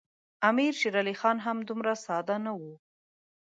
امیر شېر علي خان هم دومره ساده نه وو.